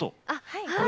はい。